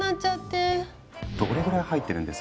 どれぐらい入ってるんです？